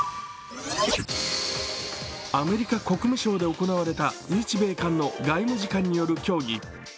アメリカ国務省で行われた日米韓の外務次官による協議。